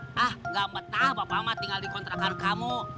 hah gak betah bapak ahmad tinggal dikontrakan kamu